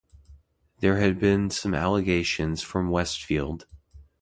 There had been some allegations from Westfield.